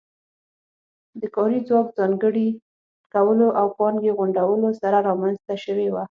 د کاري ځواک ځانګړي کولو او پانګې غونډولو سره رامنځته شوې وه